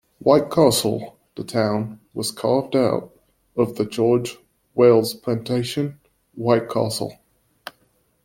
White Castle, the town, was carved out of the George Wailes plantation, "White Castle".